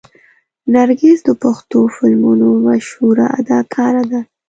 نرګس د پښتو فلمونو مشهوره اداکاره ده.